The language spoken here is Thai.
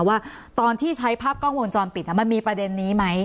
ว่าตอนที่ใช้ภาพกล้องวงจรปิดมันมีประเด็นนี้ไหม